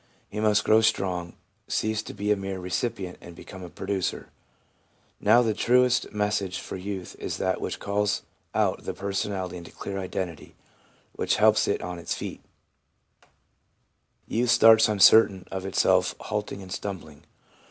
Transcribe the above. He must grow strong, cease to be a mere recipient, and become a producer. Now the truest message for youth is that which calls out the per sonality into clear identity, which helps it on to its feet SOME EDUCATIONAL INFERENCES 413 Youth starts uncertain of itself, halting and stumbling.